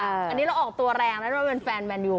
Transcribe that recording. อันนี้เราออกตัวแรงนะเราเป็นแฟนแมนยู